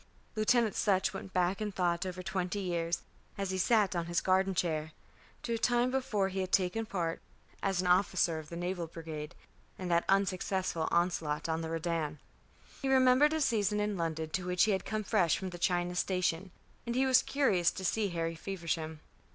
Lieutenant Sutch went back in thought over twenty years, as he sat on his garden chair, to a time before he had taken part, as an officer of the Naval Brigade, in that unsuccessful onslaught on the Redan. He remembered a season in London to which he had come fresh from the China station; and he was curious to see Harry Feversham.